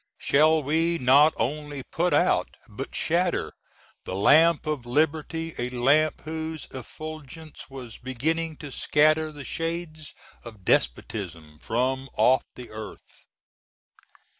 Shall we not only put out, but shatter, the lamp of liberty, a lamp whose effulgence was beginning to scatter the shades of despotism from off the earth?